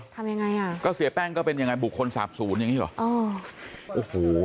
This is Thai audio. ทำยังไงอ่ะก็เสียแป้งก็เป็นยังไงบุคคลสาบศูนย์อย่างงี้เหรออ๋อโอ้โห